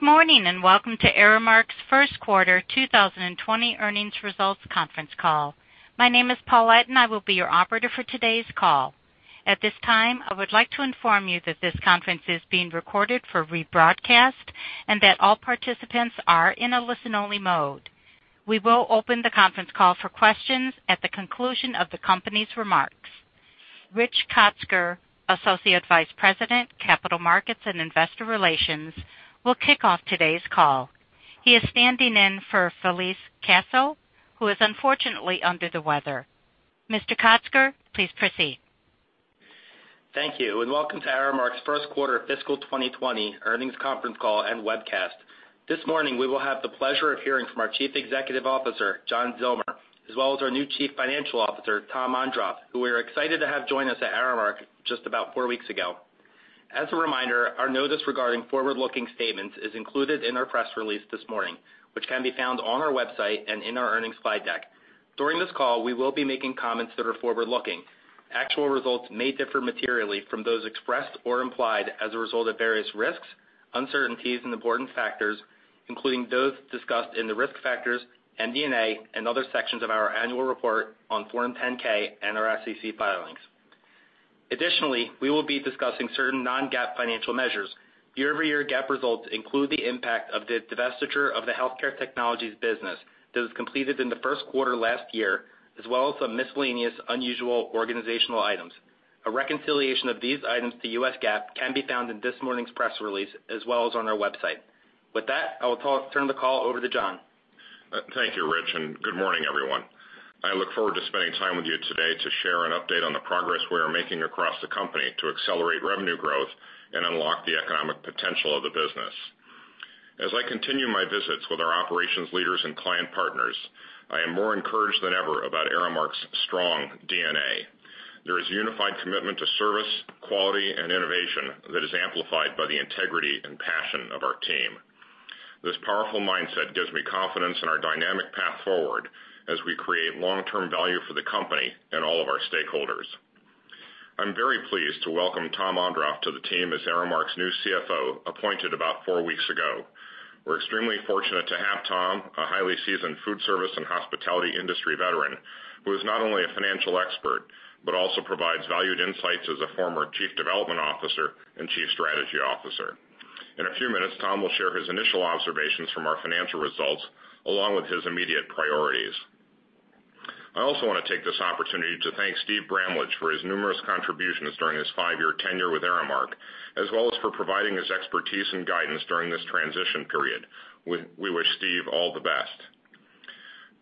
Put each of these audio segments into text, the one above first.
Good morning, and welcome to Aramark's First Quarter 2020 Earnings Results Conference Call. My name is Paulette, and I will be your operator for today's call. At this time, I would like to inform you that this conference is being recorded for rebroadcast and that all participants are in a listen-only mode. We will open the conference call for questions at the conclusion of the company's remarks. Rich Kotzker, Associate Vice President, Capital Markets and Investor Relations, will kick off today's call. He is standing in for Felise Kissell, who is unfortunately under the weather. Mr. Kotzker, please proceed. Thank you, and welcome to Aramark's First Quarter Fiscal 2020 Earnings Conference Call and Webcast. This morning, we will have the pleasure of hearing from our Chief Executive Officer, John Zillmer, as well as our new Chief Financial Officer, Tom Ondrof, who we are excited to have join us at Aramark just about four weeks ago. As a reminder, our notice regarding forward-looking statements is included in our press release this morning, which can be found on our website and in our earnings slide deck. During this call, we will be making comments that are forward-looking. Actual results may differ materially from those expressed or implied as a result of various risks, uncertainties, and important factors, including those discussed in the Risk Factors, MD&A, and other sections of our Annual Report on Form 10-K and our SEC filings. Additionally, we will be discussing certain non-GAAP financial measures. Year-over-year GAAP results include the impact of the divestiture of the Healthcare Technologies business that was completed in the first quarter last year, as well as some miscellaneous unusual organizational items. A reconciliation of these items to U.S. GAAP can be found in this morning's press release, as well as on our website. With that, I will turn the call over to John. Thank you, Rich. Good morning, everyone. I look forward to spending time with you today to share an update on the progress we are making across the company to accelerate revenue growth and unlock the economic potential of the business. As I continue my visits with our operations leaders and client partners, I am more encouraged than ever about Aramark's strong DNA. There is unified commitment to service, quality, and innovation that is amplified by the integrity and passion of our team. This powerful mindset gives me confidence in our dynamic path forward as we create long-term value for the company and all of our stakeholders. I'm very pleased to welcome Tom Ondrof to the team as Aramark's new CFO, appointed about four weeks ago. We're extremely fortunate to have Tom, a highly seasoned food service and hospitality industry veteran, who is not only a financial expert, but also provides valued insights as a former chief development officer and chief strategy officer. In a few minutes, Tom will share his initial observations from our financial results, along with his immediate priorities. I also want to take this opportunity to thank Steve Bramlage for his numerous contributions during his five-year tenure with Aramark, as well as for providing his expertise and guidance during this transition period. We wish Steve all the best.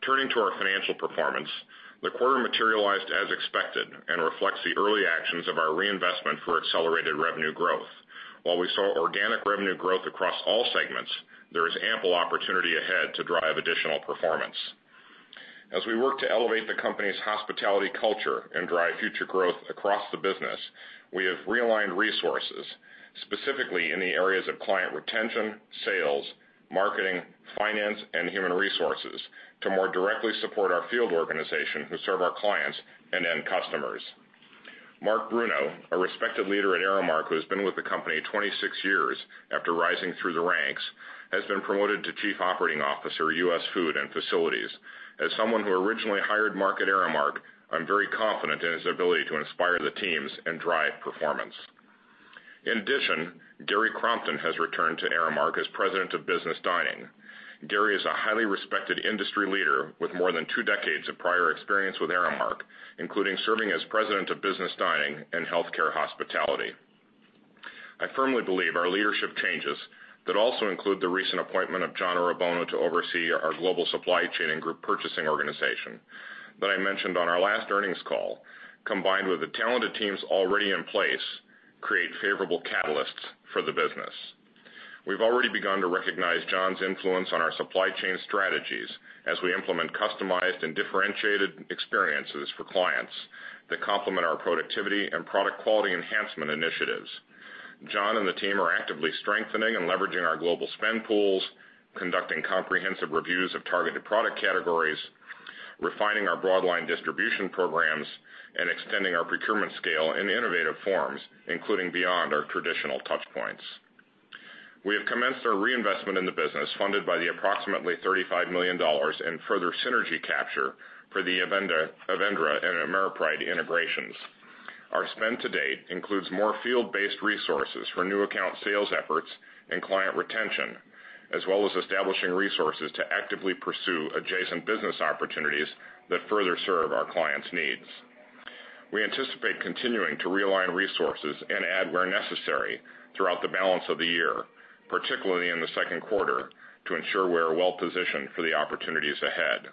Turning to our financial performance, the quarter materialized as expected and reflects the early actions of our reinvestment for accelerated revenue growth. While we saw organic revenue growth across all segments, there is ample opportunity ahead to drive additional performance. As we work to elevate the company's hospitality culture and drive future growth across the business, we have realigned resources, specifically in the areas of client retention, sales, marketing, finance, and human resources, to more directly support our field organization who serve our clients and end customers. Marc Bruno, a respected leader at Aramark, who has been with the company 26 years after rising through the ranks, has been promoted to Chief Operating Officer, U.S. Food and Facilities. As someone who originally hired Marc at Aramark, I'm very confident in his ability to inspire the teams and drive performance. In addition, Gary Crompton has returned to Aramark as President of Business Dining. Gary is a highly respected industry leader with more than two decades of prior experience with Aramark, including serving as President of Business Dining and Healthcare Hospitality. I firmly believe our leadership changes, that also include the recent appointment of John Orabona to oversee our global supply chain and group purchasing organization that I mentioned on our last earnings call, combined with the talented teams already in place, create favorable catalysts for the business. We've already begun to recognize John's influence on our supply chain strategies as we implement customized and differentiated experiences for clients that complement our productivity and product quality enhancement initiatives. John and the team are actively strengthening and leveraging our global spend pools, conducting comprehensive reviews of targeted product categories, refining our broad line distribution programs, and extending our procurement scale in innovative forms, including beyond our traditional touchpoints. We have commenced our reinvestment in the business, funded by the approximately $35 million in further synergy capture for the Avendra and AmeriPride integrations. Our spend to date includes more field-based resources for new account sales efforts and client retention, as well as establishing resources to actively pursue adjacent business opportunities that further serve our clients' needs. We anticipate continuing to realign resources and add where necessary throughout the balance of the year, particularly in the second quarter, to ensure we are well positioned for the opportunities ahead.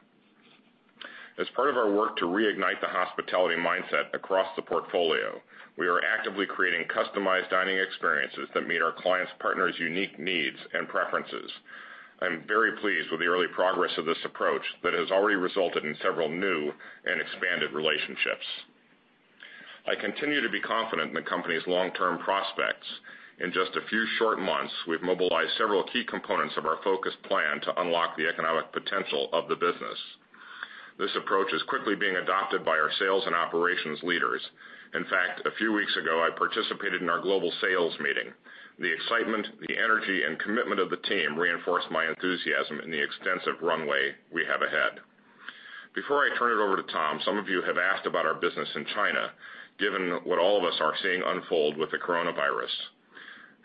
As part of our work to reignite the hospitality mindset across the portfolio, we are actively creating customized dining experiences that meet our clients and partners’ unique needs and preferences. I'm very pleased with the early progress of this approach that has already resulted in several new and expanded relationships. I continue to be confident in the company's long-term prospects. In just a few short months, we've mobilized several key components of our focused plan to unlock the economic potential of the business... This approach is quickly being adopted by our sales and operations leaders. In fact, a few weeks ago, I participated in our global sales meeting. The excitement, the energy, and commitment of the team reinforced my enthusiasm in the extensive runway we have ahead. Before I turn it over to Tom, some of you have asked about our business in China, given what all of us are seeing unfold with the coronavirus.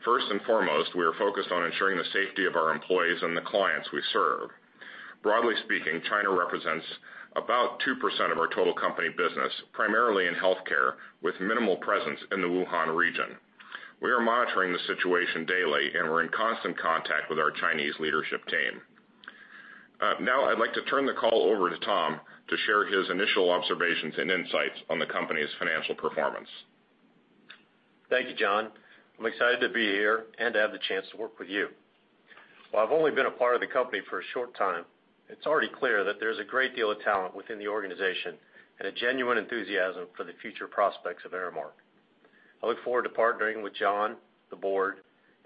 First and foremost, we are focused on ensuring the safety of our employees and the clients we serve. Broadly speaking, China represents about 2% of our total company business, primarily in healthcare, with minimal presence in the Wuhan region. We are monitoring the situation daily, and we're in constant contact with our Chinese leadership team. Now I'd like to turn the call over to Tom to share his initial observations and insights on the company's financial performance. Thank you, John. I'm excited to be here and to have the chance to work with you. While I've only been a part of the company for a short time, it's already clear that there's a great deal of talent within the organization and a genuine enthusiasm for the future prospects of Aramark. I look forward to partnering with John, the board,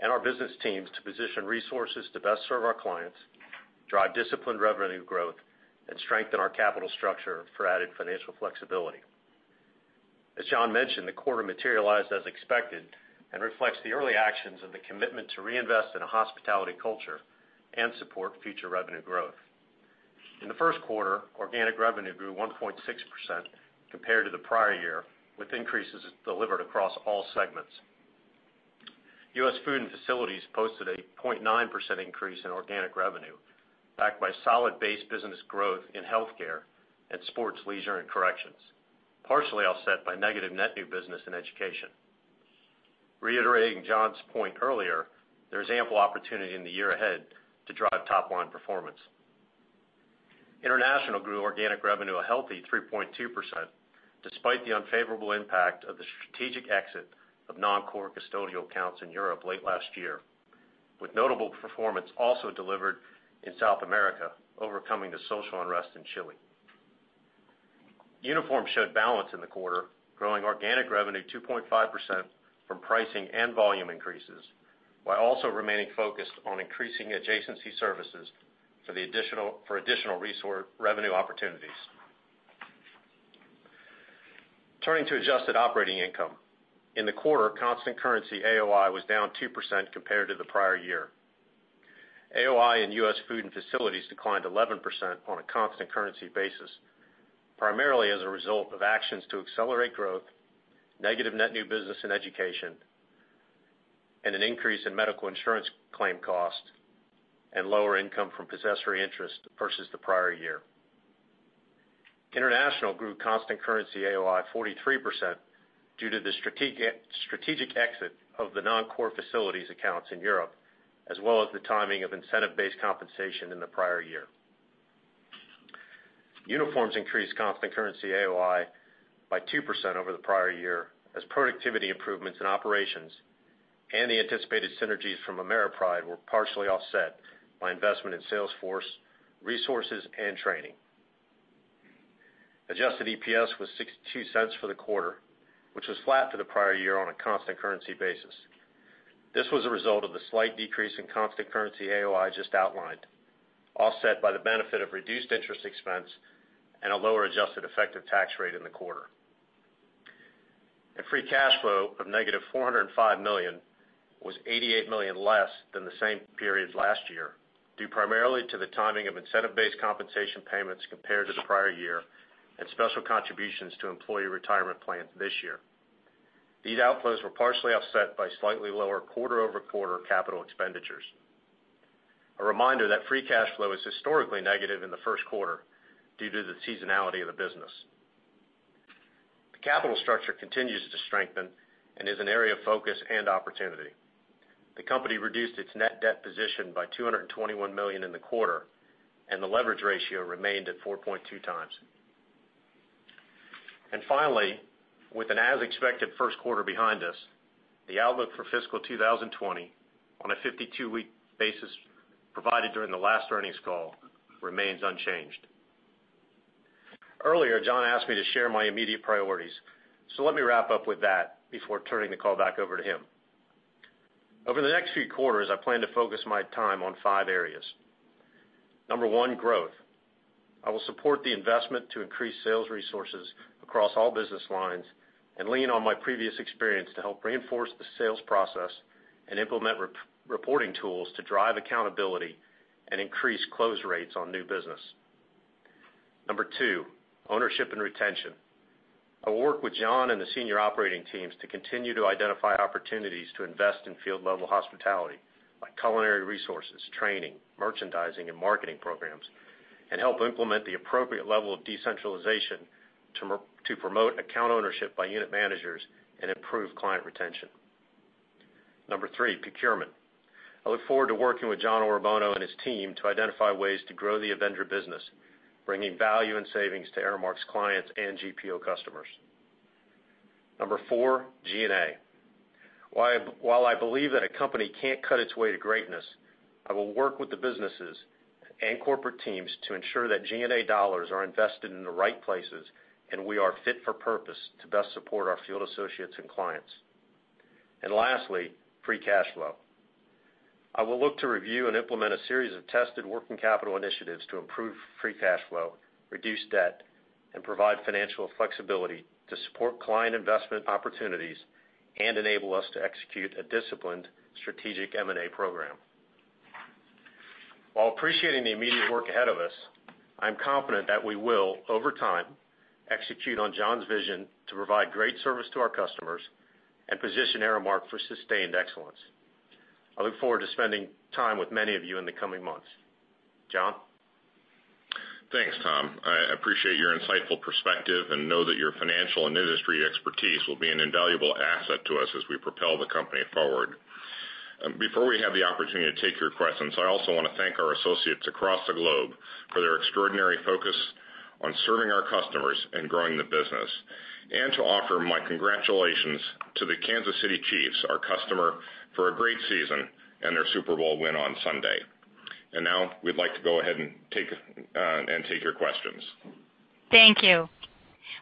and our business teams to position resources to best serve our clients, drive disciplined revenue growth, and strengthen our capital structure for added financial flexibility. As John mentioned, the quarter materialized as expected and reflects the early actions of the commitment to reinvest in a hospitality culture and support future revenue growth. In the first quarter, organic revenue grew 1.6% compared to the prior year, with increases delivered across all segments. U.S. Food and Facilities posted a 0.9% increase in organic revenue, backed by solid base business growth in healthcare and sports, leisure, and corrections, partially offset by negative net new business and education. Reiterating John's point earlier, there's ample opportunity in the year ahead to drive top-line performance. International grew organic revenue a healthy 3.2%, despite the unfavorable impact of the strategic exit of non-core custodial accounts in Europe late last year, with notable performance also delivered in South America, overcoming the social unrest in Chile. Uniforms showed balance in the quarter, growing organic revenue 2.5% from pricing and volume increases, while also remaining focused on increasing adjacency services for additional resort revenue opportunities. Turning to adjusted operating income. In the quarter, constant currency AOI was down 2% compared to the prior year. AOI in U.S. Food and Facilities declined 11% on a constant currency basis, primarily as a result of actions to accelerate growth, negative net new business in education, and an increase in medical insurance claim costs, and lower income from possessory interest versus the prior year. International grew constant currency AOI 43% due to the strategic exit of the non-core facilities accounts in Europe, as well as the timing of incentive-based compensation in the prior year. Uniforms increased constant currency AOI by 2% over the prior year, as productivity improvements in operations and the anticipated synergies from AmeriPride were partially offset by investment in sales force, resources, and training. Adjusted EPS was $0.62 for the quarter, which was flat to the prior year on a constant currency basis. This was a result of the slight decrease in constant currency AOI just outlined, offset by the benefit of reduced interest expense and a lower adjusted effective tax rate in the quarter. Free cash flow was negative $405 million, $88 million less than the same period last year, due primarily to the timing of incentive-based compensation payments compared to the prior year and special contributions to employee retirement plans this year. These outflows were partially offset by slightly lower quarter-over-quarter capital expenditures. A reminder that free cash flow is historically negative in the first quarter due to the seasonality of the business. The capital structure continues to strengthen and is an area of focus and opportunity. The company reduced its net debt position by $221 million in the quarter, and the leverage ratio remained at 4.2 times. Finally, with an as-expected first quarter behind us, the outlook for fiscal 2020, on a 52-week basis provided during the last earnings call, remains unchanged. Earlier, John asked me to share my immediate priorities, so let me wrap up with that before turning the call back over to him. Over the next few quarters, I plan to focus my time on five areas. Number one, growth. I will support the investment to increase sales resources across all business lines and lean on my previous experience to help reinforce the sales process and implement rep-reporting tools to drive accountability and increase close rates on new business. Number two, ownership and retention. I will work with John and the senior operating teams to continue to identify opportunities to invest in field-level hospitality, like culinary resources, training, merchandising, and marketing programs, and help implement the appropriate level of decentralization to promote account ownership by unit managers and improve client retention. Number three, procurement. I look forward to working with John Zillmer and his team to identify ways to grow the Avendra business, bringing value and savings to Aramark's clients and GPO customers. Number four, G&A. While I believe that a company can't cut its way to greatness, I will work with the businesses and corporate teams to ensure that G&A dollars are invested in the right places, and we are fit for purpose to best support our field associates and clients. Lastly, free cash flow. I will look to review and implement a series of proven working capital initiatives to improve free cash flow, reduce debt, and provide financial flexibility to support client investment opportunities and enable us to execute a disciplined strategic M&A program. While appreciating the immediate work ahead of us, I'm confident that we will, over time, execute on John's vision to provide great service to our customers and position Aramark for sustained excellence. I look forward to spending time with many of you in the coming months. John? Thanks, Tom. I appreciate your insightful perspective and know that your financial and industry expertise will be an invaluable asset to us as we propel the company forward. Before we have the opportunity to take your questions, I also want to thank our associates across the globe for their extraordinary focus on serving our customers and growing the business, and to offer my congratulations to the Kansas City Chiefs, our customer, for a great season and their Super Bowl win on Sunday. Now we'd like to go ahead and take your questions. Thank you.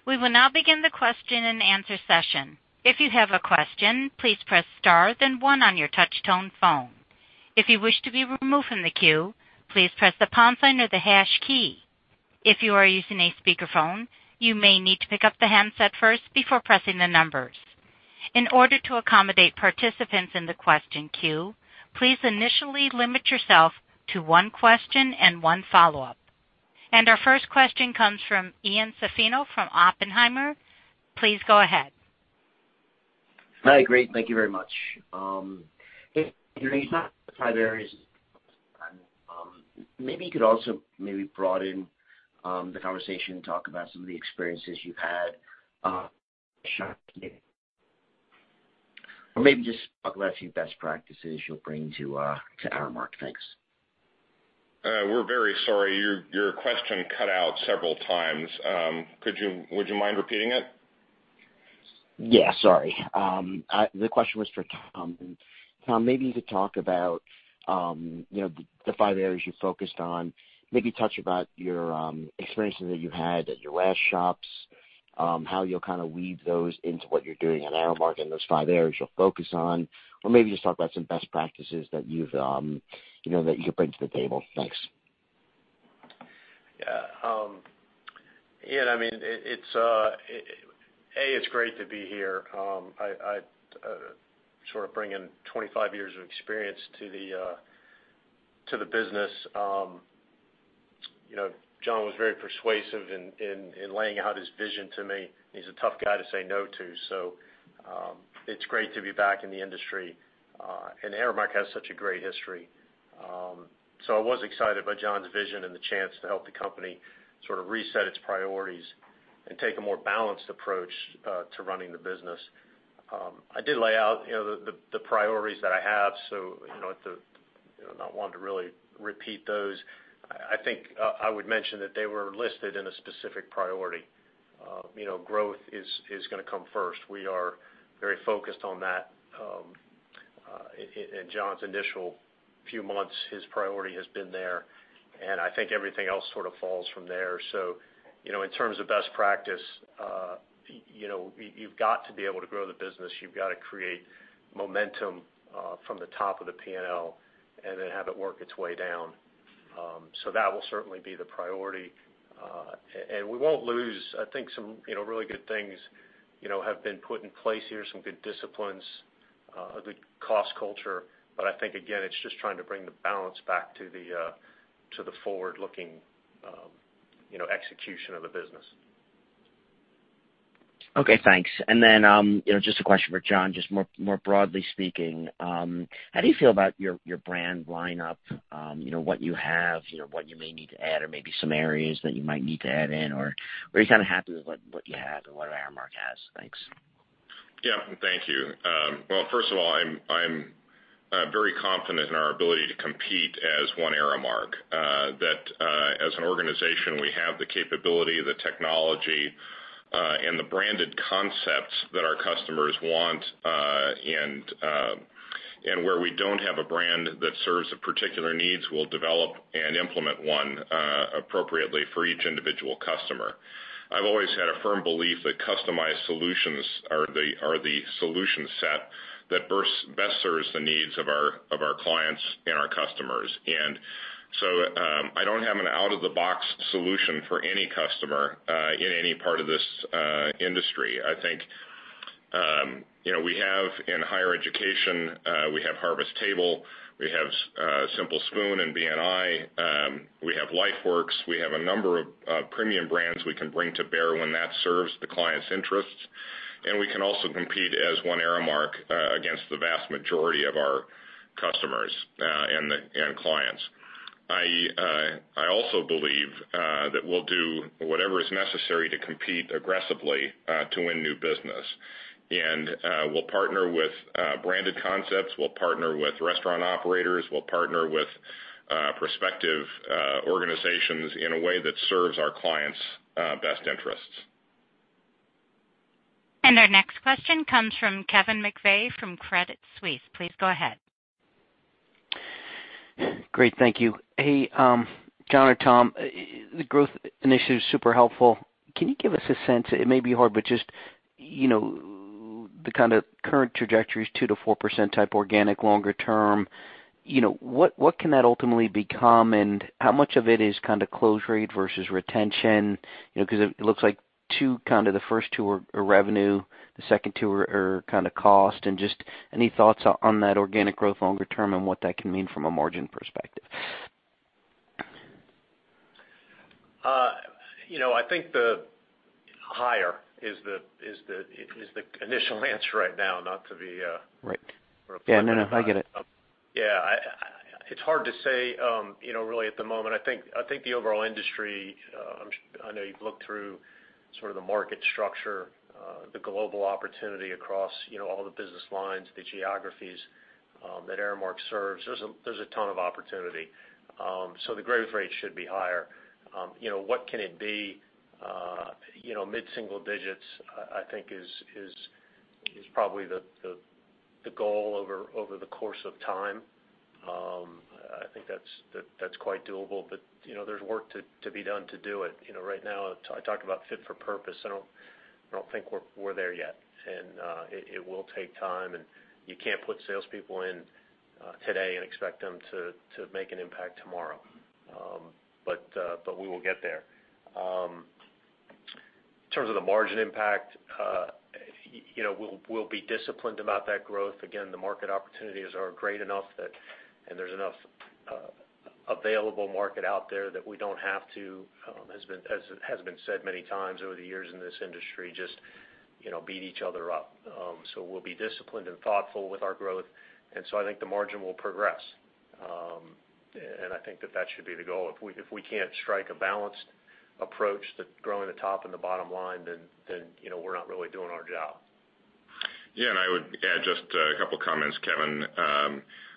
We will now begin the question-and-answer session. If you have a question, please press star then 1 on your touchtone phone. If you wish to be removed from the queue, please press the pound sign or the hash key. If you are using a speakerphone, you may need to pick up the handset first before pressing the numbers. In order to accommodate participants in the question queue, please initially limit yourself to one question and one follow-up. Our first question comes from Ian Zaffino from Oppenheimer. Please go ahead. Hi, great. Thank you very much. Maybe you could also broaden, the conversation and talk about some of the experiences you've had, or maybe just talk about a few best practices you'll bring to Aramark? Thanks. We're very sorry. Your question cut out several times. Would you mind repeating it? Yeah, sorry. The question was for Tom. Tom, maybe you could talk about, you know, the five areas you focused on. Maybe touch about your experiences that you had at your last shops, how you'll kind of weave those into what you're doing at Aramark and those five areas you'll focus on, or maybe just talk about some best practices that you've, you know, that you bring to the table. Thanks. Yeah, Ian, I mean, it's A, it's great to be here. I sort of bring in 25 years of experience to the business. You know, John was very persuasive in laying out his vision to me. He's a tough guy to say no to, so it's great to be back in the industry, and Aramark has such a great history. I was excited by John's vision and the chance to help the company sort of reset its priorities and take a more balanced approach to running the business. I did lay out, you know, the priorities that I have, so, you know, to, you know, not want to really repeat those. I think I would mention that they were listed in a specific priority. You know, growth is gonna come first. We are very focused on that. In John's initial few months, his priority has been there, and I think everything else sort of falls from there. You know, in terms of best practice, you know, you've got to be able to grow the business. You've got to create momentum from the top of the P&L and then have it work its way down. That will certainly be the priority. I think some really good things have been put in place here, some good disciplines, a good cost culture, but I think, again, it's just trying to bring the balance back to the forward-looking execution of the business. Okay, thanks. You know, just a question for John. Just more broadly speaking, how do you feel about your brand lineup? you know, what you have, you know, what you may need to add, or maybe some areas that you might need to add in, or are you kind of happy with what you have or what Aramark has? Thanks. Yeah, thank you. Well, first of all, I'm very confident in our ability to compete as one Aramark. That, as an organization, we have the capability, the technology, and the branded concepts that our customers want, and where we don't have a brand that serves particular needs, we'll develop and implement one appropriately for each individual customer. I've always had a firm belief that customized solutions are the solution set that best serves the needs of our clients and our customers. I don't have an out-of-the-box solution for any customer in any part of this industry. I think, you know, we have in higher education, we have Harvest Table, we have Simple Servings and B&I, we have LifeWorks. We have a number of premium brands we can bring to bear when that serves the client's interests, and we can also compete as one Aramark against the vast majority of our customers and clients. I also believe that we'll do whatever is necessary to compete aggressively to win new business. We'll partner with branded concepts, we'll partner with restaurant operators, we'll partner with prospective organizations in a way that serves our clients' best interests. Our next question comes from Kevin McVeigh, from Credit Suisse. Please go ahead. Great. Thank you. Hey, John or Tom, the growth initiative is super helpful. Can you give us a sense, it may be hard, but just, you know, the kind of current trajectory is 2%-4% type organic, longer term. You know, what can that ultimately become, and how much of it is kind of close rate versus retention? You know, because it looks like two, kind of the first two are revenue, the second two are kind of cost. Just any thoughts on that organic growth longer term and what that can mean from a margin perspective? You know, I think the higher is the initial answer right now. Right. Yeah, no, I get it. Yeah. It's hard to say, you know, really, at the moment. I think the overall industry, I'm sure I know you've looked through sort of the market structure, the global opportunity across, you know, all the business lines, the geographies, that Aramark serves. There's a ton of opportunity. The growth rate should be higher. You know, what can it be? You know, mid-single digits, I think is probably the goal over the course of time. I think that's quite doable, but, you know, there's work to be done to do it. You know, right now, I talked about fit for purpose. I don't think we're there yet, and it will take time, and you can't put salespeople in today and expect them to make an impact tomorrow. We will get there. In terms of the margin impact, you know, we'll be disciplined about that growth. Again, the market opportunities are great enough that there's enough available market out there that we don't have to, as has been said many times over the years in this industry, just, you know, beat each other up. We'll be disciplined and thoughtful with our growth, I think the margin will progress. I think that should be the goal. If we can't strike a balanced approach to growing the top and the bottom line, then, you know, we're not really doing our job. I would add just two comments, Kevin.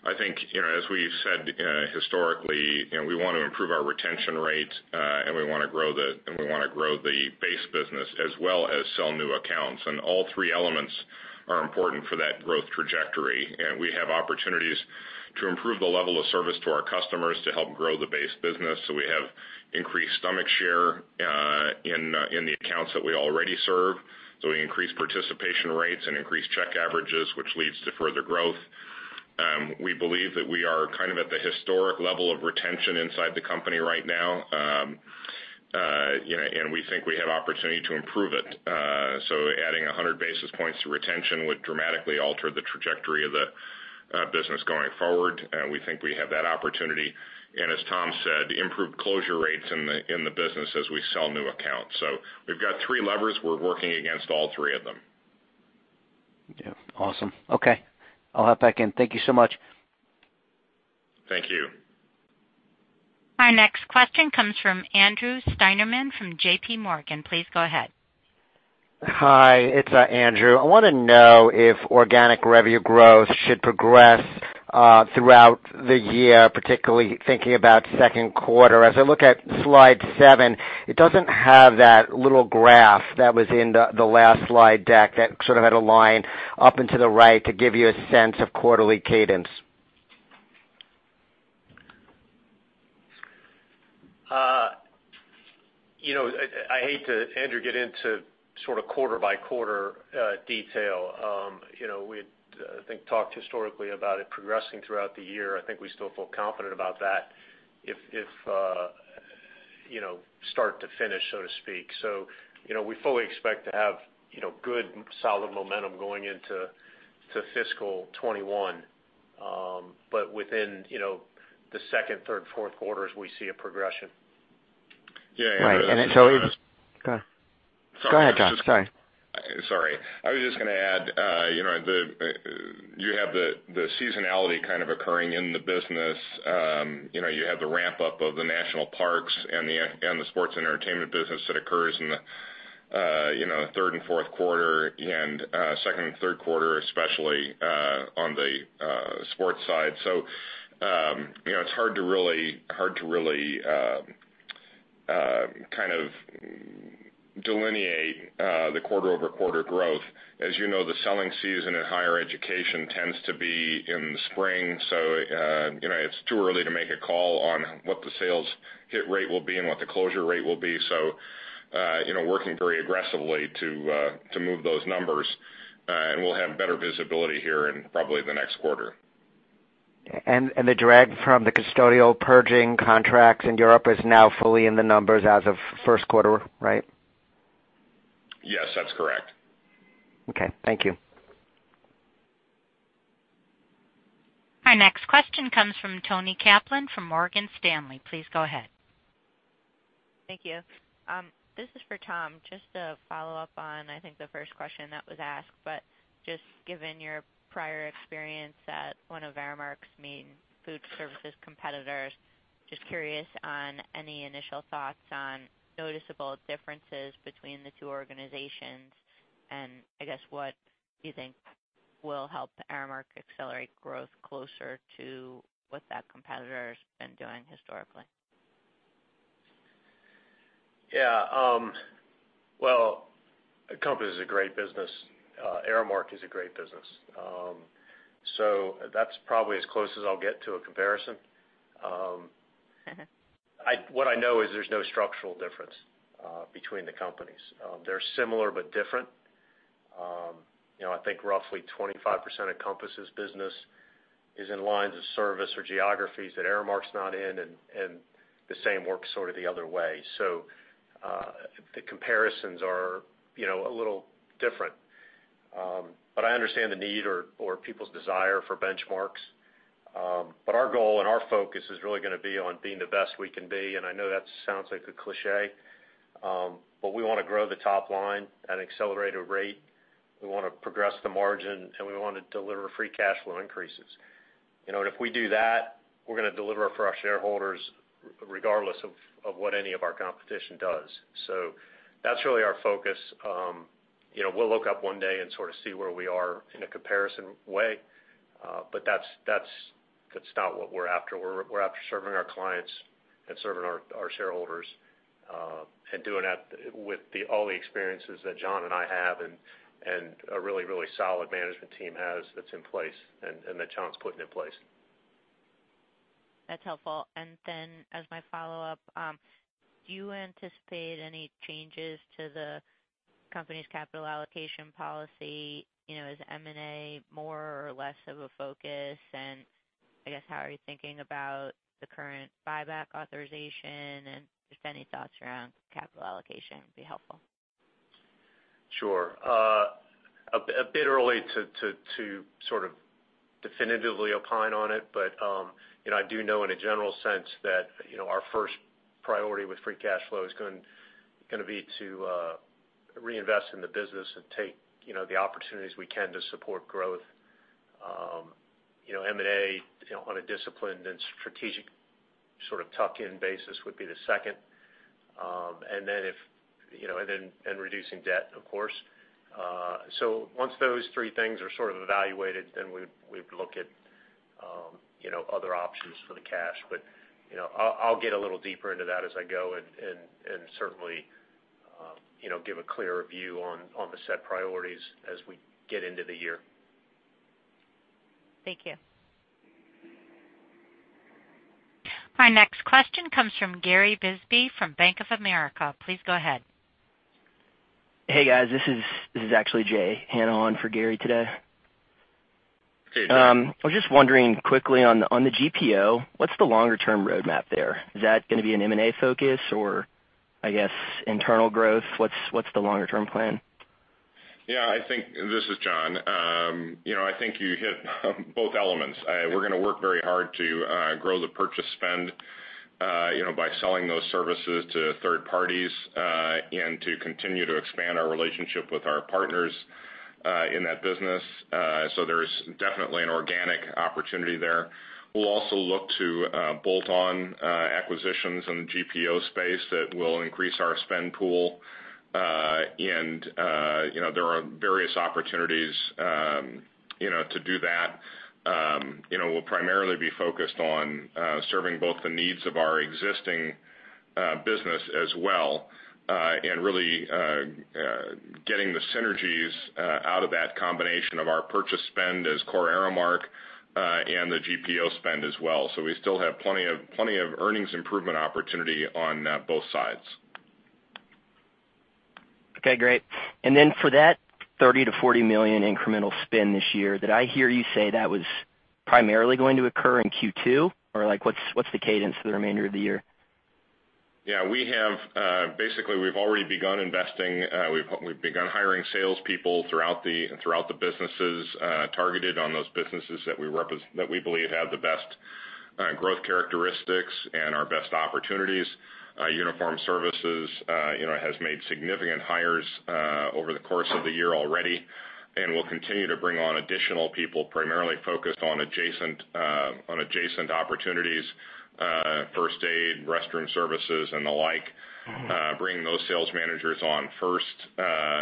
I think, you know, as we've said, historically, you know, we want to improve our retention rate, we want to grow the base business as well as sell new accounts. All three elements are important for that growth trajectory. We have opportunities to improve the level of service to our customers to help grow the base business. We have increased stomach share in the accounts that we already serve. We increase participation rates and increase check averages, which leads to further growth. We believe that we are kind of at the historic level of retention inside the company right now. You know, we think we have opportunity to improve it. Adding 100 basis points to retention would dramatically alter the trajectory of the business going forward, and we think we have that opportunity. As Tom said, improved closure rates in the business as we sell new accounts. We've got three levers. We're working against all three of them. Yeah. Awesome. Okay, I'll hop back in. Thank you so much. Thank you. Our next question comes from Andrew Steinerman from JPMorgan. Please go ahead. Hi, it's Andrew. I want to know if organic revenue growth should progress throughout the year, particularly thinking about second quarter. As I look at slide 7, it doesn't have that little graph that was in the last slide deck that sort of had a line up and to the right to give you a sense of quarterly cadence. You know, I hate to, Andrew, get into sort of quarter by quarter detail. You know, we, I think, talked historically about it progressing throughout the year. I think we still feel confident about that. If, if, you know, start to finish, so to speak. You know, we fully expect to have, you know, good, solid momentum going into fiscal 2021. Within, you know, the second, third, fourth quarters, we see a progression. Yeah. Right. So. Go ahead, John. Sorry. Sorry. I was just gonna add, you know, the seasonality kind of occurring in the business. You know, you have the ramp-up of the national parks and the sports and entertainment business that occurs in the, you know, third and fourth quarter, and second and third quarter, especially on the sports side. You know, it's hard to really kind of delineate the quarter-over-quarter growth. As you know, the selling season in higher education tends to be in the spring, you know, it's too early to make a call on what the sales hit rate will be and what the closure rate will be. You know, working very aggressively to move those numbers, and we'll have better visibility here in probably the next quarter. The drag from the custodial facilities contracts in Europe is now fully in the numbers as of first quarter, right? Yes, that's correct. Okay, thank you. Our next question comes from Toni Kaplan from Morgan Stanley. Please go ahead. Thank you. This is for Tom. Just to follow up on, I think, the first question that was asked, but just given your prior experience at one of Aramark's main food services competitors, just curious on any initial thoughts on noticeable differences between the two organizations, and I guess what you think will help Aramark accelerate growth closer to what that competitor's been doing historically? Yeah, well, the company is a great business. Aramark is a great business. That's probably as close as I'll get to a comparison. Mm-hmm. What I know is there's no structural difference between the companies. They're similar but different. You know, I think roughly 25% of Compass's business is in lines of service or geographies that Aramark's not in, and the same works sort of the other way. The comparisons are, you know, a little different. But I understand the need or people's desire for benchmarks. But our goal and our focus is really gonna be on being the best we can be, and I know that sounds like a cliche, but we wanna grow the top line at an accelerated rate. We wanna progress the margin, and we wanna deliver free cash flow increases. You know, if we do that, we're gonna deliver for our shareholders, regardless of what any of our competition does. That's really our focus. You know, we'll look up one day and sort of see where we are in a comparison way, but that's not what we're after. We're after serving our clients and serving our shareholders, and doing that with all the experiences that John and I have, and a really, really solid management team has that's in place and that John's putting in place. That's helpful. As my follow-up, do you anticipate any changes to the company's capital allocation policy? You know, is M&A more or less of a focus? How are you thinking about the current buyback authorization, and just any thoughts around capital allocation would be helpful. Sure. A bit early to sort of definitively opine on it, but, you know, I do know in a general sense that, you know, our first priority with free cash flow is gonna be to reinvest in the business and take, you know, the opportunities we can to support growth. You know, M&A, you know, on a disciplined and strategic sort of tuck-in basis would be the second. Reducing debt, of course. Once those three things are sort of evaluated, then we'd look at, you know, other options for the cash. You know, I'll get a little deeper into that as I go and certainly, you know, give a clearer view on the set priorities as we get into the year. Thank you. Our next question comes from Gary Bisbee from Bank of America. Please go ahead. Hey, guys, this is actually Jay, in on for Gary today. Hey, Jay. I was just wondering quickly on the, on the GPO, what's the longer-term roadmap there? Is that gonna be an M&A focus, or I guess internal growth? What's the longer-term plan? This is John. you know, I think you hit both elements. we're gonna work very hard to grow the purchase spend, you know, by selling those services to third parties and to continue to expand our relationship with our partners in that business. There is definitely an organic opportunity there. We'll also look to bolt-on acquisitions in the GPO space that will increase our spend pool. you know, there are various opportunities, you know, to do that. you know, we'll primarily be focused on serving both the needs of our existing business as well, and really getting the synergies out of that combination of our purchase spend as core Aramark and the GPO spend as well. We still have plenty of earnings improvement opportunity on both sides. Okay, great. For that $30 million–$40 million incremental spend this year, did I hear you say that was primarily going to occur in Q2? Or like, what's the cadence for the remainder of the year? Yeah, we have, basically, we've already begun investing. We've begun hiring salespeople throughout the businesses, targeted on those businesses that we believe have the best growth characteristics and our best opportunities. Uniform Services, you know, has made significant hires over the course of the year already and will continue to bring on additional people, primarily focused on adjacent, on adjacent opportunities, first aid, restroom services, and the like. Bringing those sales managers on first,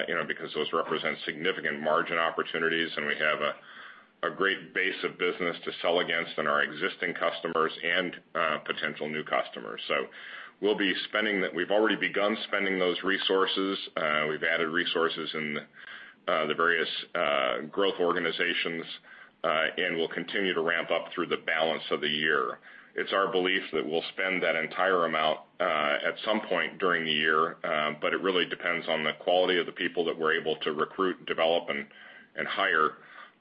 you know, because those represent significant margin opportunities, and we have a great base of business to sell against in our existing customers and potential new customers. We've already begun spending those resources. Resources in the various growth organizations, and we'll continue to ramp up through the balance of the year. It's our belief that we'll spend that entire amount at some point during the year, but it really depends on the quality of the people that we're able to recruit, develop, and hire.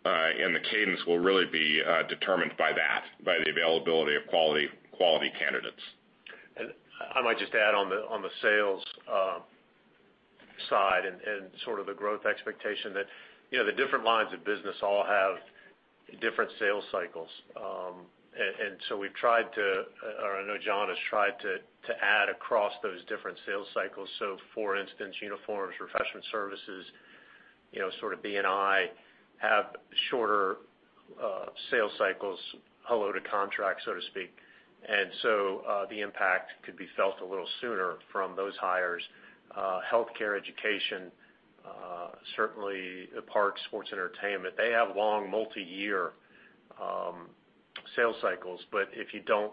And the cadence will really be determined by that, by the availability of quality candidates. I might just add on the, on the sales side and sort of the growth expectation that, you know, the different lines of business all have different sales cycles. So we've tried to, or I know John has tried to add across those different sales cycles. So for instance, uniforms, refreshment services, you know, sort of B&I, have shorter sales cycles, hello to contract, so to speak. So the impact could be felt a little sooner from those hires. Healthcare, education, certainly parks, sports, entertainment, they have long, multi-year,... sales cycles, but if you don't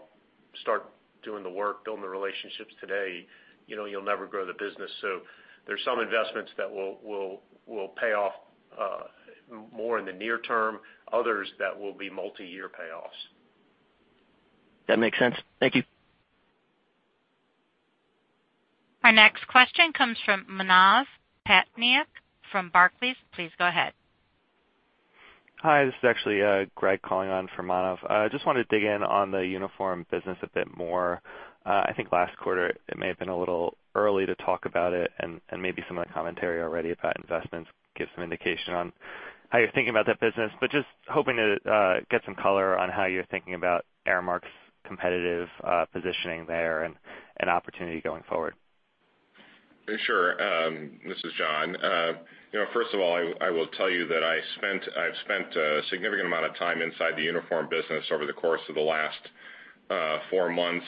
start doing the work, building the relationships today, you know, you'll never grow the business. There's some investments that will pay off, more in the near term, others that will be multiyear payoffs. That makes sense. Thank you. Our next question comes from Manav Patnaik from Barclays. Please go ahead. Hi, this is actually Greg calling on for Manav. I just wanted to dig in on the uniform business a bit more. I think last quarter, it may have been a little early to talk about it, and maybe some of the commentary already about investments give some indication on how you're thinking about that business, but just hoping to get some color on how you're thinking about Aramark's competitive positioning there and opportunity going forward. Sure. This is John. You know, first of all, I will tell you that I've spent a significant amount of time inside the uniform business over the course of the last four months,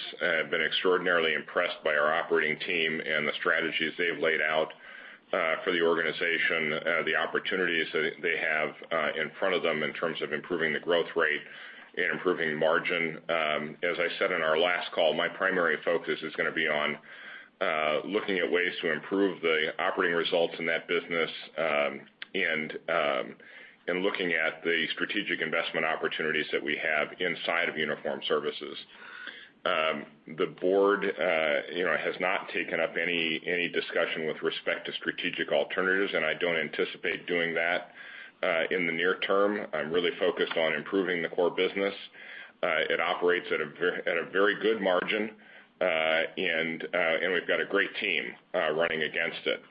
been extraordinarily impressed by our operating team and the strategies they've laid out for the organization, the opportunities that they have in front of them in terms of improving the growth rate and improving margin. As I said in our last call, my primary focus is gonna be on looking at ways to improve the operating results in that business, and looking at the strategic investment opportunities that we have inside of Uniform Services. The board, you know, has not taken up any discussion with respect to strategic alternatives, and I don't anticipate doing that in the near term. I'm really focused on improving the core business. It operates at a very good margin, and we've got a great team running against it.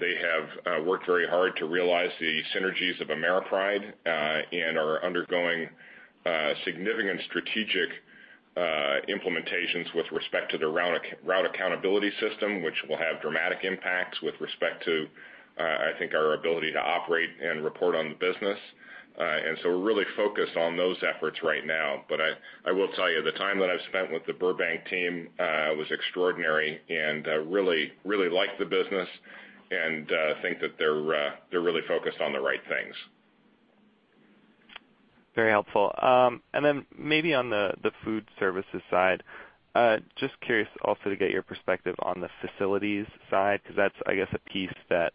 They have worked very hard to realize the synergies of AmeriPride, and are undergoing significant strategic implementations with respect to the route accounting system, which will have dramatic impacts with respect to, I think, our ability to operate and report on the business. We're really focused on those efforts right now. I will tell you, the time that I've spent with the Burbank team was extraordinary, and really liked the business and think that they're really focused on the right things. Very helpful. Then maybe on the food services side, just curious also to get your perspective on the facilities side, because that's, I guess, a piece that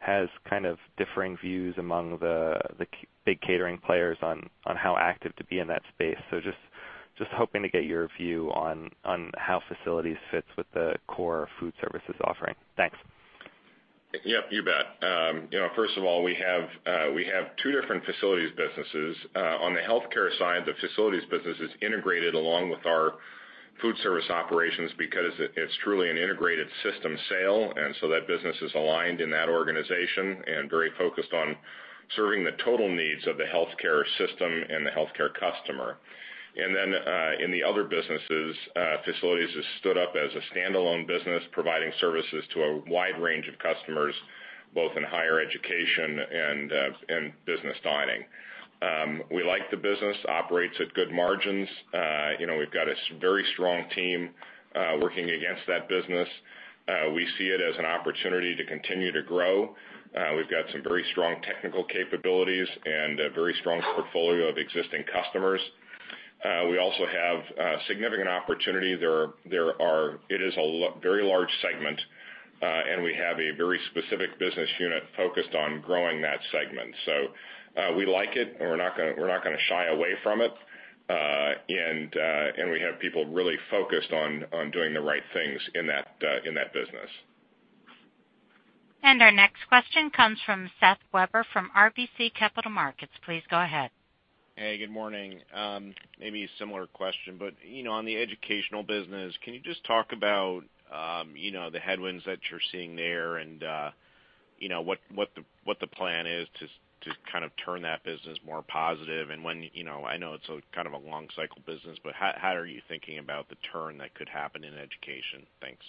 has kind of differing views among the big catering players on how active to be in that space. Just hoping to get your view on how facilities fits with the core food services offering. Thanks. Yep, you bet. You know, first of all, we have two different facilities businesses. On the healthcare side, the facilities business is integrated along with our food service operations because it's truly an integrated system sale, that business is aligned in that organization and very focused on serving the total needs of the healthcare system and the healthcare customer. In the other businesses, facilities has stood up as a standalone business, providing services to a wide range of customers, both in higher education and Business Dining. We like the business, operates at good margins. You know, we've got a very strong team working against that business. We see it as an opportunity to continue to grow. We've got some very strong technical capabilities and a very strong portfolio of existing customers. We also have, significant opportunity. It is a very large segment, and we have a very specific business unit focused on growing that segment. We like it, and we're not gonna shy away from it, and we have people really focused on doing the right things in that, in that business. Our next question comes from Seth Weber, from RBC Capital Markets. Please go ahead. Hey, good morning. Maybe a similar question, but, you know, on the educational business, can you just talk about, you know, the headwinds that you're seeing there and, you know, what the plan is to kind of turn that business more positive? When, you know, I know it's a kind of a long cycle business, but how are you thinking about the turn that could happen in education? Thanks.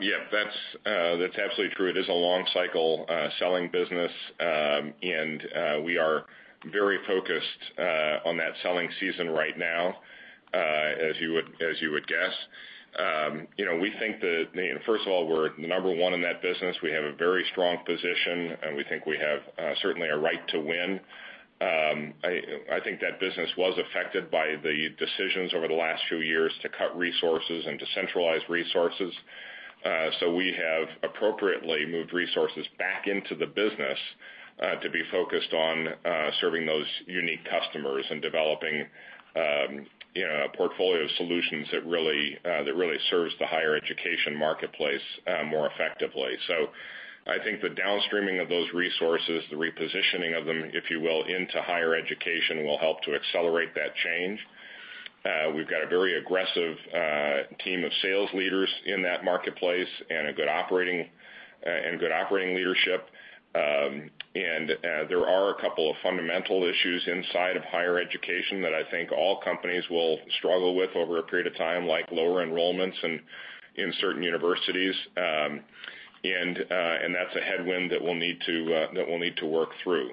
Yeah, that's absolutely true. It is a long cycle selling business, and we are very focused on that selling season right now, as you would guess. You know, we think that, first of all, we're number one in that business. We have a very strong position, and we think we have certainly a right to win. I think that business was affected by the decisions over the last few years to cut resources and to centralize resources. We have appropriately moved resources back into the business to be focused on serving those unique customers and developing, you know, a portfolio of solutions that really serves the higher education marketplace more effectively. I think the downstreaming of those resources, the repositioning of them, if you will, into higher education, will help to accelerate that change. We've got a very aggressive team of sales leaders in that marketplace and good operating leadership. There are a couple of fundamental issues inside of higher education that I think all companies will struggle with over a period of time, like lower enrollments in certain universities. That's a headwind that we'll need to work through.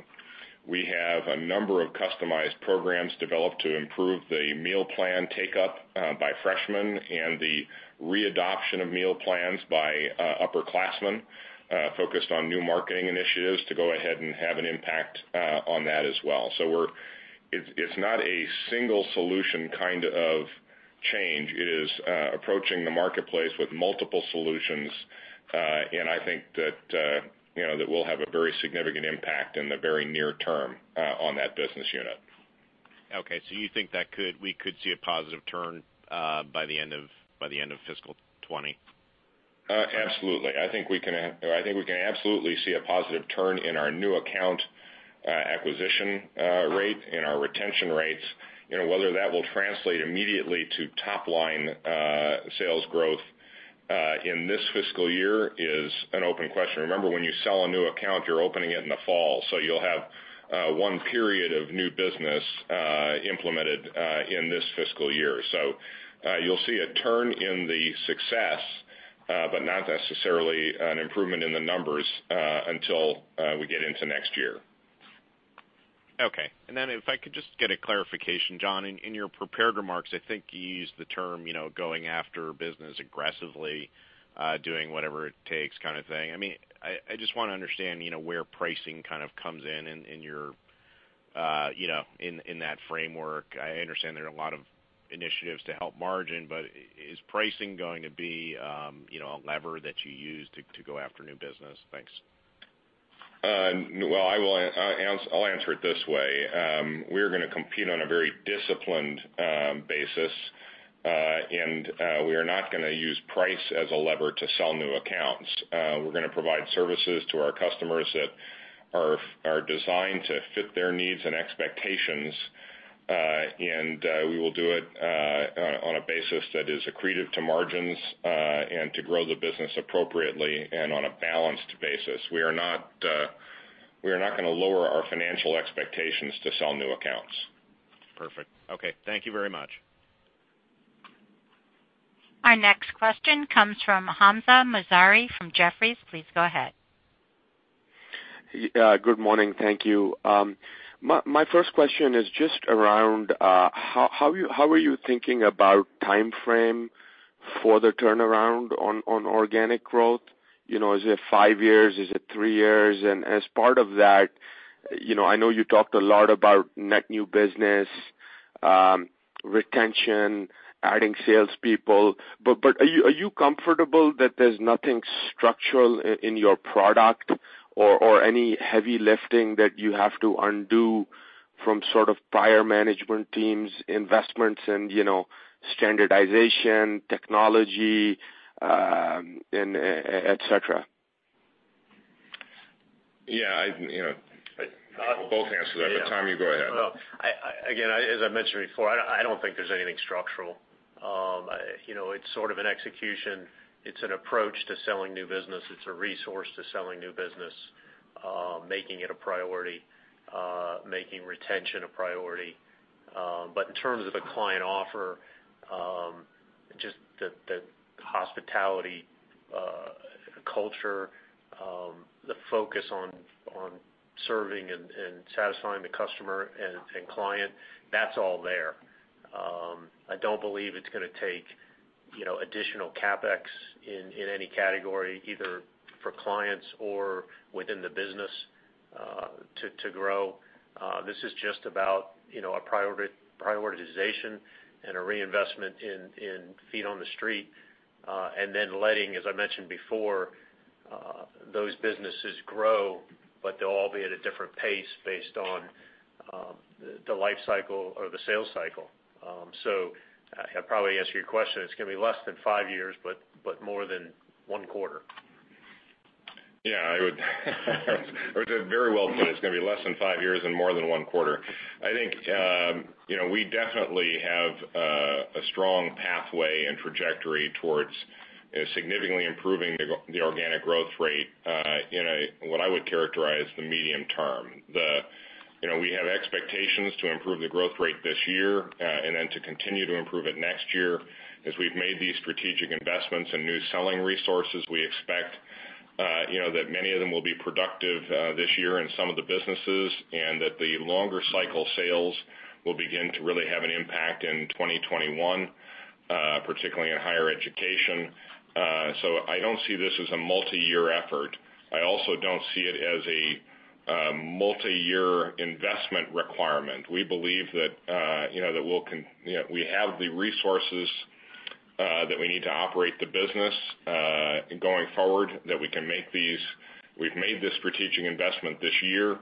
We have a number of customized programs developed to improve the meal plan take up by freshmen and the readoption of meal plans by upperclassmen, focused on new marketing initiatives to go ahead and have an impact on that as well. We're... It's not a single solution kind of, change is approaching the marketplace with multiple solutions. I think that, you know, that will have a very significant impact in the very near term, on that business unit. Okay, you think we could see a positive turn, by the end of fiscal 2020? Absolutely. I think we can absolutely see a positive turn in our new account acquisition rate and our retention rates. You know, whether that will translate immediately to top line sales growth in this fiscal year is an open question. Remember, when you sell a new account, you're opening it in the fall, you'll have one period of new business implemented in this fiscal year. You'll see a turn in the success, but not necessarily an improvement in the numbers until we get into next year. Okay. If I could just get a clarification, John, in your prepared remarks, I think you used the term, you know, going after business aggressively, doing whatever it takes kind of thing. I mean, I just want to understand, you know, where pricing kind of comes in, in your, you know, in that framework. I understand there are a lot of initiatives to help margin, but is pricing going to be, you know, a lever that you use to go after new business? Thanks. Well, I'll answer it this way. We're gonna compete on a very disciplined basis. We are not gonna use price as a lever to sell new accounts. We're gonna provide services to our customers that are designed to fit their needs and expectations. We will do it on a basis that is accretive to margins and to grow the business appropriately and on a balanced basis. We are not, we are not gonna lower our financial expectations to sell new accounts. Perfect. Okay, thank you very much. Our next question comes from Hamzah Mazari from Jefferies. Please go ahead. Yeah, good morning. Thank you. My first question is just around how are you thinking about timeframe for the turnaround on organic growth? You know, is it 5 years? Is it 3 years? As part of that, you know, I know you talked a lot about net new business, retention, adding salespeople, but are you comfortable that there's nothing structural in your product or any heavy lifting that you have to undo from sort of prior management teams' investments and, you know, standardization, technology, and et cetera? I, you know, I'll both answer that, but Tom, you go ahead. I again, as I mentioned before, I don't, I don't think there's anything structural. You know, it's sort of an execution. It's an approach to selling new business. It's a resource to selling new business, making it a priority, making retention a priority. In terms of the client offer, just the hospitality culture, the focus on serving and satisfying the customer and client, that's all there. I don't believe it's gonna take, you know, additional CapEx in any category, either for clients or within the business, to grow. This is just about, you know, a prioritization and a reinvestment in feet on the street, and then letting, as I mentioned before, those businesses grow. They'll all be at a different pace based on the life cycle or the sales cycle. I have probably answered your question. It's gonna be less than 5 years, but more than 1 quarter. Yeah, I would. Very well put. It's gonna be less than 5 years and more than 1 quarter. I think, you know, we definitely have a strong pathway and trajectory towards, you know, significantly improving the organic growth rate in a, what I would characterize, the medium term. The, you know, we have expectations to improve the growth rate this year, and then to continue to improve it next year. As we've made these strategic investments in new selling resources, we expect, you know, that many of them will be productive this year in some of the businesses, and that the longer cycle sales will begin to really have an impact in 2021, particularly in higher education. I don't see this as a multi-year effort. I also don't see it as a multi-year investment requirement. We believe that, you know, we have the resources that we need to operate the business going forward, we've made this strategic investment this year,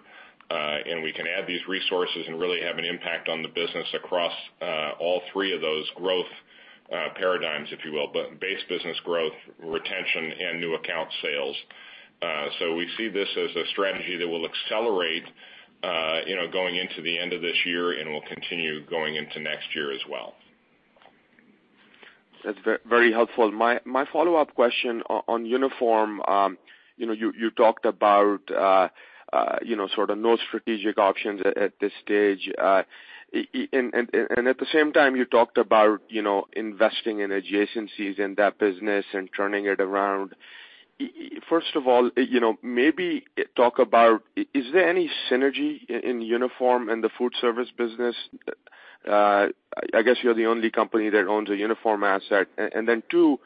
and we can add these resources and really have an impact on the business across all three of those growth paradigms, if you will, but base business growth, retention, and new account sales. We see this as a strategy that will accelerate, you know, going into the end of this year and will continue going into next year as well. That's very helpful. My follow-up question on uniform, you know, you talked about, you know, sort of no strategic options at this stage. At the same time, you talked about, you know, investing in adjacencies in that business and turning it around. First of all, you know, maybe talk about, is there any synergy in uniform in the food service business? I guess you're the only company that owns a uniform asset. Then two,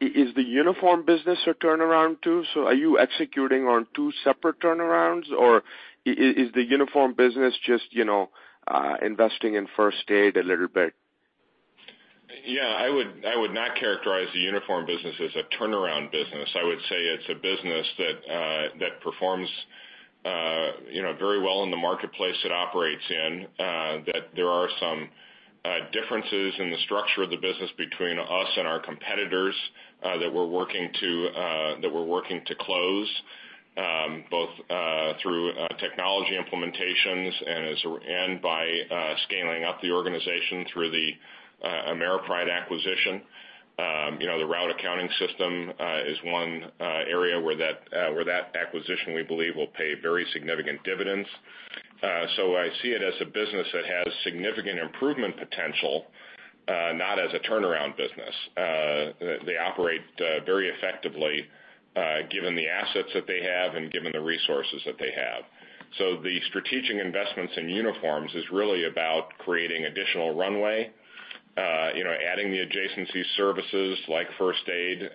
is the uniform business a turnaround, too? Are you executing on two separate turnarounds, or is the uniform business just, you know, investing in first aid a little bit? I would not characterize the uniform business as a turnaround business. I would say it's a business that performs, you know, very well in the marketplace it operates in, that there are some differences in the structure of the business between us and our competitors, that we're working to, that we're working to close, both through technology implementations and as, and by, scaling up the organization through the AmeriPride acquisition. You know, the route accounting system is one area where that acquisition, we believe, will pay very significant dividends. I see it as a business that has significant improvement potential, not as a turnaround business. They operate very effectively, given the assets that they have and given the resources that they have. The strategic investments in uniforms is really about creating additional runway, you know, adding the adjacency services like first aid.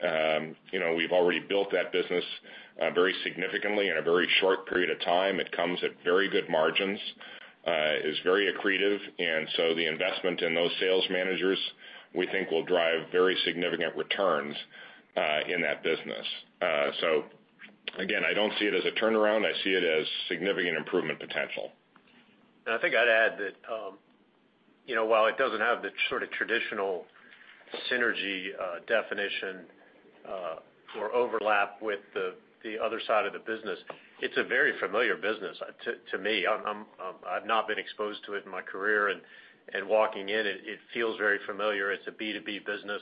You know, we've already built that business very significantly in a very short period of time. It comes at very good margins, is very accretive, the investment in those sales managers, we think, will drive very significant returns in that business. Again, I don't see it as a turnaround. I see it as significant improvement potential. I think I'd add that, you know, while it doesn't have the sort of traditional synergy definition or overlap with the other side of the business, it's a very familiar business to me. I've not been exposed to it in my career, and walking in it feels very familiar. It's a B2B business.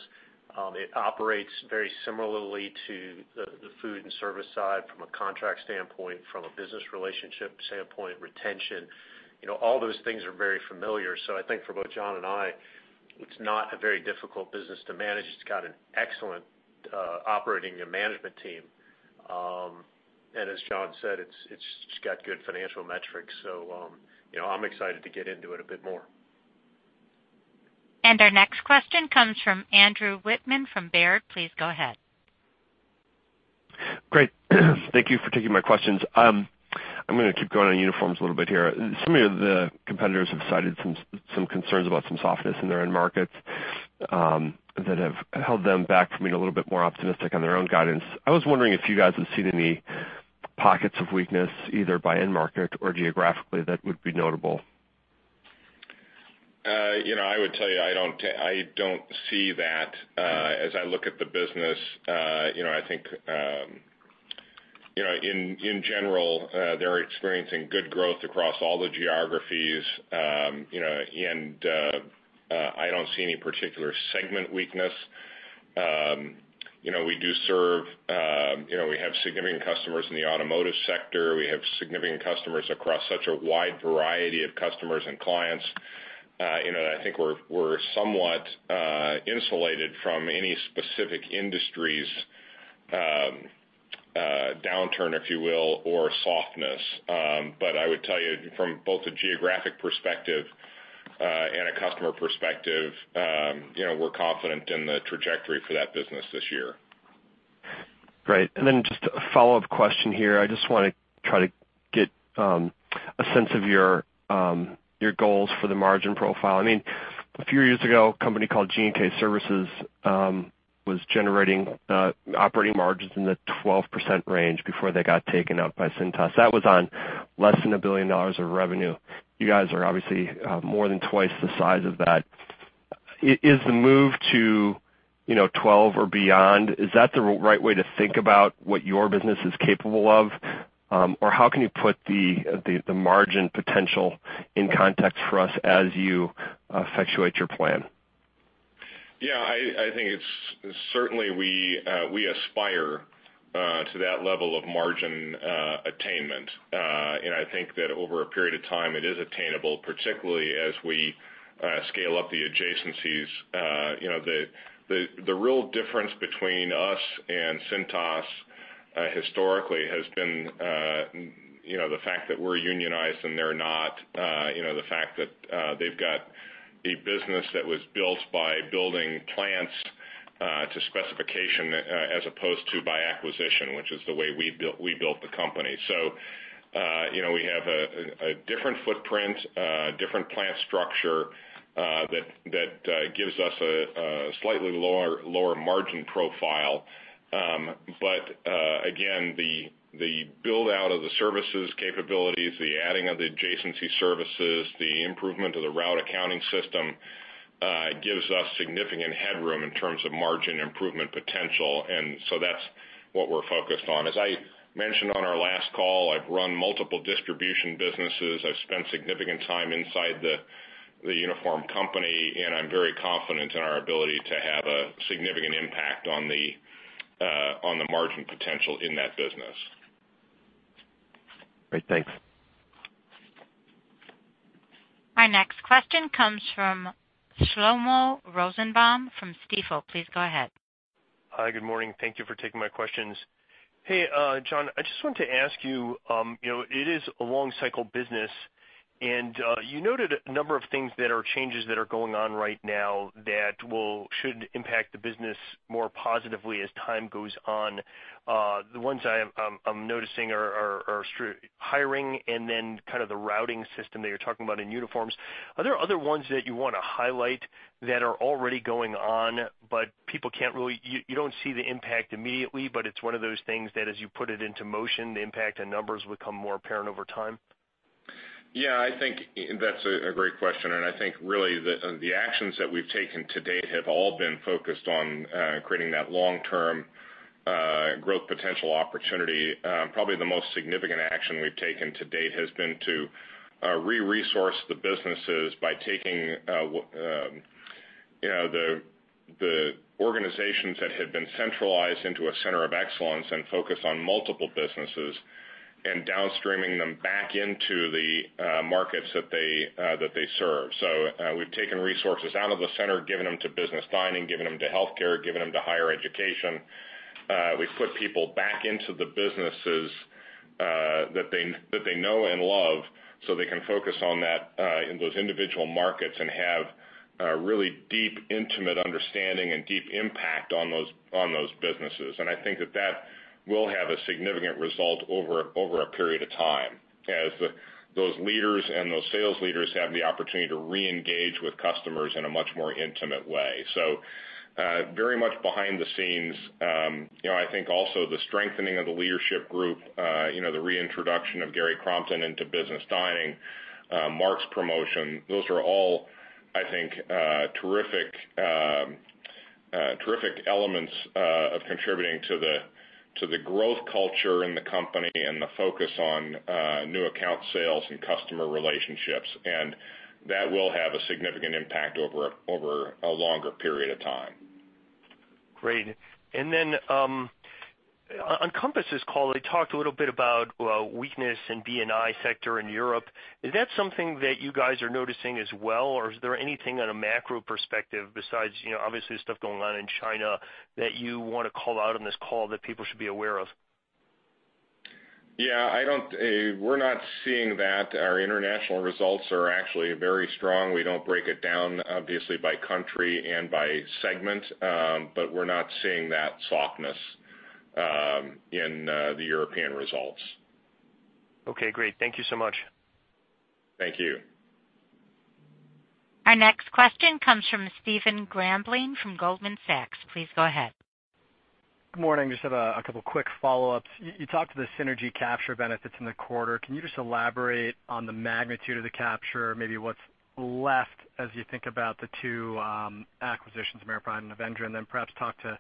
It operates very similarly to the food and service side from a contract standpoint, from a business relationship standpoint, retention. You know, all those things are very familiar. I think for both John and I, it's not a very difficult business to manage. It's got an excellent operating and management team. As John said, it's got good financial metrics. You know, I'm excited to get into it a bit more. Our next question comes from Andrew Wittmann from Baird. Please go ahead. Great. Thank you for taking my questions. I'm gonna keep going on uniforms a little bit here. Some of the competitors have cited some concerns about some softness in their end markets, that have held them back from being a little bit more optimistic on their own guidance. I was wondering if you guys have seen any pockets of weakness, either by end market or geographically, that would be notable? you know, I would tell you, I don't see that as I look at the business. you know, I think, you know, in general, they're experiencing good growth across all the geographies. you know, I don't see any particular segment weakness. you know, we do serve, you know, we have significant customers in the automotive sector. We have significant customers across such a wide variety of customers and clients. you know, I think we're somewhat insulated from any specific industry's downturn, if you will, or softness. I would tell you from both a geographic perspective, and a customer perspective, you know, we're confident in the trajectory for that business this year. Great. Just a follow-up question here. I just want to try to get a sense of your goals for the margin profile. I mean, a few years ago, a company called G&K Services, was generating operating margins in the 12% range before they got taken out by Cintas. That was on less than $1 billion of revenue. You guys are obviously more than twice the size of that. Is the move to, you know, 12 or beyond, is that the right way to think about what your business is capable of? How can you put the margin potential in context for us as you effectuate your plan? Yeah, I think it's certainly we aspire to that level of margin attainment. I think that over a period of time, it is attainable, particularly as we scale up the adjacencies. You know, the real difference between us and Cintas historically has been, you know, the fact that we're unionized and they're not. You know, the fact that they've got a business that was built by building plants to specification as opposed to by acquisition, which is the way we built the company. You know, we have a different footprint, different plant structure that gives us a slightly lower margin profile. Again, the build-out of the services capabilities, the adding of the adjacency services, the improvement of the route accounting system, gives us significant headroom in terms of margin improvement potential, that's what we're focused on. As I mentioned on our last call, I've run multiple distribution businesses. I've spent significant time inside the uniform company, I'm very confident in our ability to have a significant impact on the margin potential in that business. Great. Thanks. Our next question comes from Shlomo Rosenbaum from Stifel. Please go ahead. Hi, good morning. Thank you for taking my questions. Hey, John, I just wanted to ask you know, it is a long cycle business, and you noted a number of things that are changes that are going on right now that should impact the business more positively as time goes on. The ones I am noticing are hiring and then kind of the routing system that you're talking about in uniforms. Are there other ones that you wanna highlight that are already going on, but people can't really. You don't see the impact immediately, but it's one of those things that, as you put it into motion, the impact and numbers become more apparent over time? I think that's a great question, and I think really the actions that we've taken to date have all been focused on creating that long-term growth potential opportunity. Probably the most significant action we've taken to date has been to re-resource the businesses by taking, you know, the organizations that had been centralized into a center of excellence and focus on multiple businesses and downstreaming them back into the markets that they serve. We've taken resources out of the center, given them to Business Dining, given them to Healthcare, given them to higher education. We've put people back into the businesses, that they know and love, so they can focus on that, in those individual markets and have a really deep, intimate understanding and deep impact on those businesses. I think that that will have a significant result over a period of time, as those leaders and those sales leaders have the opportunity to reengage with customers in a much more intimate way. Very much behind the scenes. You know, I think also the strengthening of the leadership group, you know, the reintroduction of Gary Crompton into Business Dining, Marc's promotion, those are all, I think, terrific elements of contributing to the growth culture in the company and the focus on new account sales and customer relationships, and that will have a significant impact over a longer period of time. Great. On Compass's call, they talked a little bit about weakness in B&I sector in Europe. Is that something that you guys are noticing as well, or is there anything on a macro perspective besides, obviously, stuff going on in China, that you wanna call out on this call that people should be aware of? I don't, we're not seeing that. Our international results are actually very strong. We don't break it down, obviously, by country and by segment, but we're not seeing that softness in the European results. Okay, great. Thank you so much. Thank you. Our next question comes from Stephen Grambling from Goldman Sachs. Please go ahead. Good morning. Just have a couple quick follow-ups. You talked to the synergy capture benefits in the quarter. Can you just elaborate on the magnitude of the capture, maybe what's left as you think about the two acquisitions, AmeriPride and Avendra, and then perhaps talk to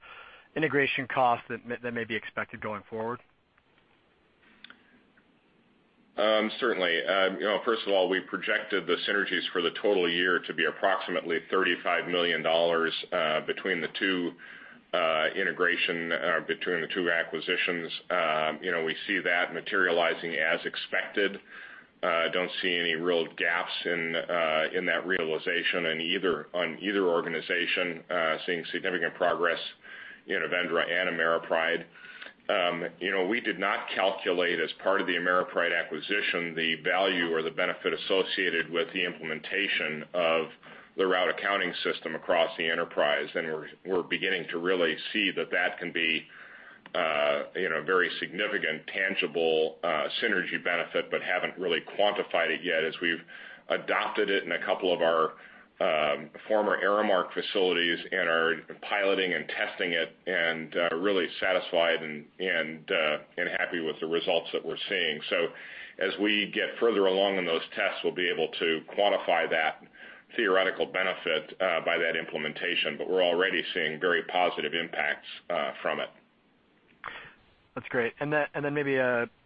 integration costs that may be expected going forward? Certainly. You know, first of all, we projected the synergies for the total year to be approximately $35 million, between the two integration, between the two acquisitions. You know, we see that materializing as expected. Don't see any real gaps in that realization on either organization, seeing significant progress in Avendra and AmeriPride. You know, we did not calculate as part of the AmeriPride acquisition, the value or the benefit associated with the implementation of the route accounting system across the enterprise. We're beginning to really see that that can be, you know, a very significant, tangible, synergy benefit, but haven't really quantified it yet as we've adopted it in a couple of our former Aramark facilities and are piloting and testing it and really satisfied and happy with the results that we're seeing. As we get further along in those tests, we'll be able to quantify that theoretical benefit by that implementation. We're already seeing very positive impacts from it. That's great. Then, maybe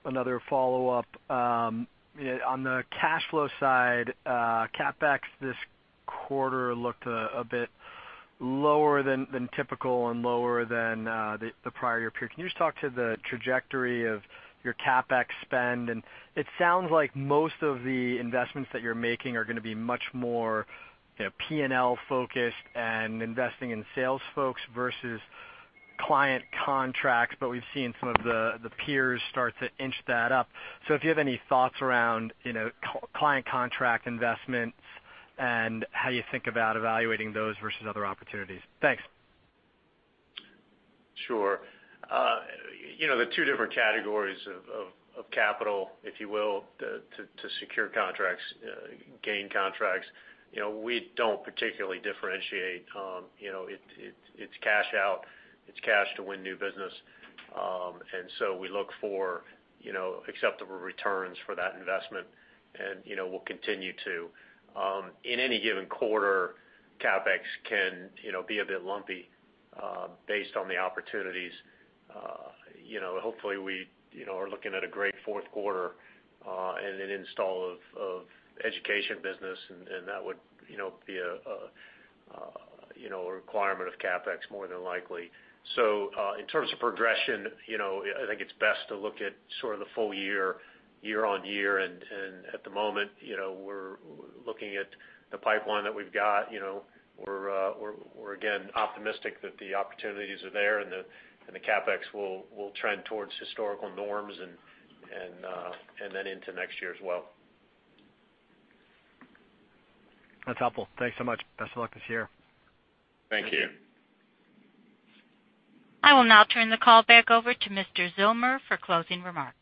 another follow-up. you know, on the cash flow side, CapEx this quarter looked a bit lower than typical and lower than the prior year period. Can you just talk to the trajectory of your CapEx spend? It sounds like most of the investments that you're making are gonna be much more, you know, PNL-focused and investing in sales folks versus client contracts, but we've seen some of the peers start to inch that up. If you have any thoughts around, you know, client contract investments and how you think about evaluating those versus other opportunities. Thanks. Sure. You know, the two different categories of capital, if you will, to secure contracts, gain contracts, you know, we don't particularly differentiate. You know, it's cash out, it's cash to win new business. We look for, you know, acceptable returns for that investment, and, you know, we'll continue to. In any given quarter, CapEx can, you know, be a bit lumpy, based on the opportunities. You know, hopefully we, you know, are looking at a great fourth quarter, and an install of education business, and that would, you know, be a, you know, a requirement of CapEx, more than likely. In terms of progression, you know, I think it's best to look at sort of the full year-on-year, and at the moment, you know, we're looking at the pipeline that we've got. You know, we're again, optimistic that the opportunities are there and the CapEx will trend towards historical norms and then into next year as well. That's helpful. Thanks so much. Best of luck this year. Thank you. I will now turn the call back over to Mr. Zillmer for closing remarks.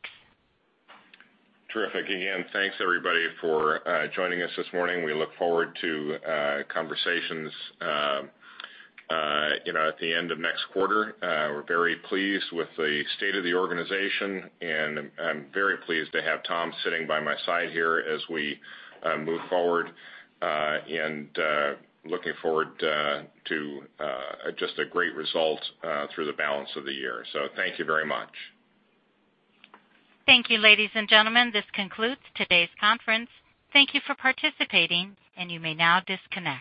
Terrific. Again, thanks, everybody, for joining us this morning. We look forward to conversations, you know, at the end of next quarter. We're very pleased with the state of the organization, and I'm very pleased to have Tom sitting by my side here as we move forward, and looking forward to just a great result through the balance of the year. So thank you very much. Thank you, ladies and gentlemen. This concludes today's conference. Thank you for participating, and you may now disconnect.